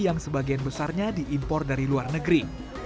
yang sebagian besarnya diimpor dari luar negeri